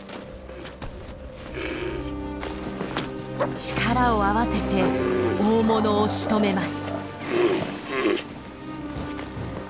力を合わせて大物をしとめます。